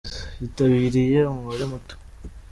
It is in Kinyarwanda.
Hitabiriye umubare muto.